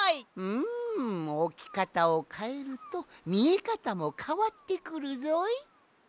うんおきかたをかえるとみえかたもかわってくるぞい。